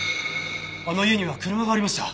あの家には車がありました。